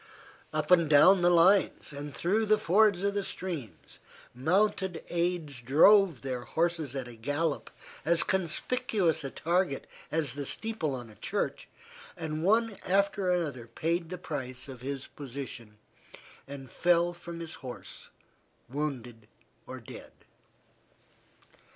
Up and down the lines, and through the fords of the streams, mounted aides drove their horses at a gallop, as conspicuous a target as the steeple on a church, and one after another paid the price of his position and fell from his horse wounded or dead.